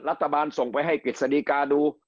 รัฐบาลส่งไปให้กฤษฎิกาดู